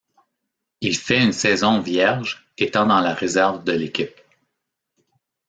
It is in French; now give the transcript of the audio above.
Il fait une saison vierge, étant dans la réserve de l'équipe.